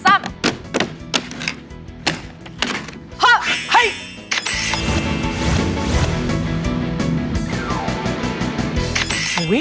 เพราะอะไรคุณแม่